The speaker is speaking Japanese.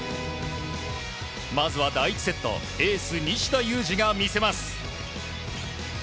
まずは第１セットエース、西田有志が見せます。